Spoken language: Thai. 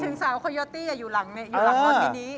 ไปถึงสาวโคโยตี้อย่าอยู่หลังเนี่ยอยู่หลังรถมินิ